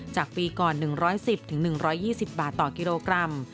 จากปีก่อน๑๑๐๑๒๐บาทต่อกิโลกรัม